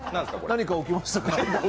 何か起きましたか？